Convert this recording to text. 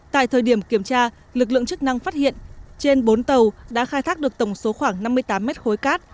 tại thời điểm kiểm tra lực lượng chức năng phát hiện trên bốn tàu đã khai thác được tổng số khoảng năm mươi tám mét khối cát